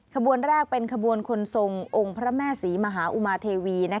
ขบวนแรกเป็นขบวนคนทรงองค์พระแม่ศรีมหาอุมาเทวี